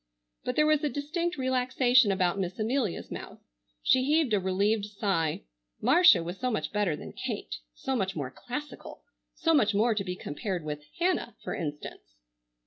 But there was a distinct relaxation about Miss Amelia's mouth. She heaved a relieved sigh. Marcia was so much better than Kate, so much more classical, so much more to be compared with Hannah, for instance.